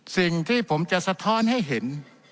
สิ่งที่ผมจะสะท้อนให้เห็น